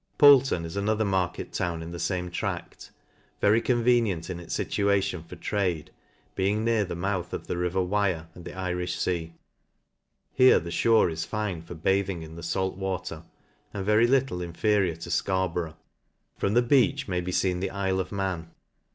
Poultm is another market town in the fame tract, very convenient in its fituation for trade, being near the mouth of the river Wire, and the hijh fea. Here the fhore is fine for bathing in the fait water, and very little inferior to Scarborough. From the Beech may be feen the IJle of Man.